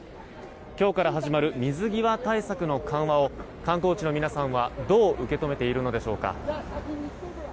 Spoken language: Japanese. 今日から始まる水際対策の緩和を観光地の皆さんは、どう受け止めているのでしょうか。